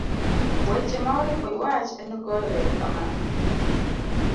weche ma oripo iwach en goyo erokamano,